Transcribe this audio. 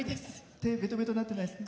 手、べとべとになってないです？